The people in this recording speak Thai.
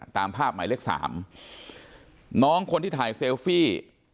ตามภาพหมายเลขสามน้องคนที่ถ่ายเซลฟี่